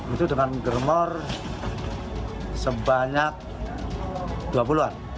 itu dengan germor sebanyak dua puluh an